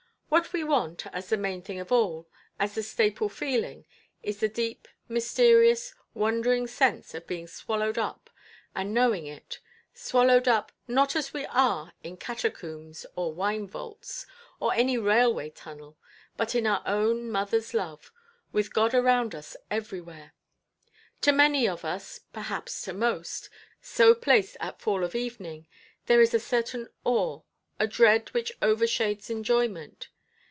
What we want, as the main thing of all, as the staple feeling, is the deep, mysterious, wondering sense of being swallowed up, and knowing it: swallowed up, not as we are in catacombs, or wine–vaults, or any railway tunnel; but in our own motherʼs love, with God around us everywhere. To many of us, perhaps to most, so placed at fall of evening, there is a certain awe, a dread which overshades enjoyment.